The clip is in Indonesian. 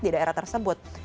di daerah tersebut